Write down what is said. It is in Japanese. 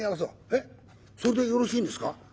「えっそれでよろしいんですか？」。